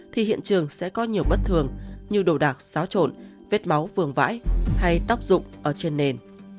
thì hiện trường sẽ có nhiều bất thường như đồ đạc xáo trộn vết máu vườn vãi hay tóc dụng ở trên nền